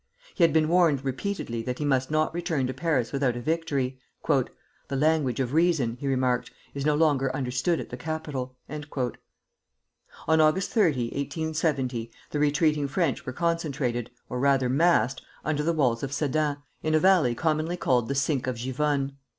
He had been warned repeatedly that he must not return to Paris without a victory. "The language of reason," he remarked, "is no longer understood at the capital." On Aug. 30, 1870, the retreating French were concentrated, or rather massed, under the walls of Sedan, in a valley commonly called the Sink of Givonne.